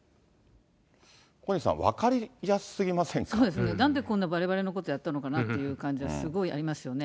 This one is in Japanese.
小西さん、そうですよね、なんでこんなばればれのことやったのかなっていうのがすごいありますよね。